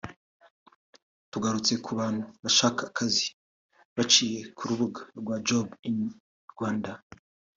Tugarutse ku bantu bashaka akazi baciye ku rubuga rwa Job in Rwanda